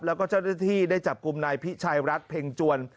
แล้วก็เจ้าหน้าที่ได้จับกลุ่มนายพิชัยรัฐเพ็งจวน